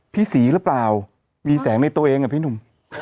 พี่ศรีหรือเปล่ามีแสงในตัวเองเหรอพี่หนุ่ม